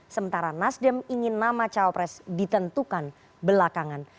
sementara nasdem ingin nama cawapres ditentukan belakangan